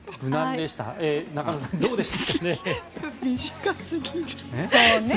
中野さん、どうでした？